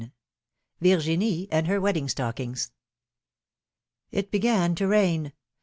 VIEGIISriE AND HER WEDDING STOCKINGS. T began to rain.